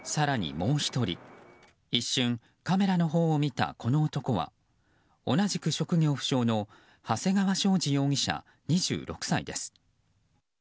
もう１人一瞬カメラのほうを見たこの男は同じく職業不詳の長谷川将司容疑者、２６歳です。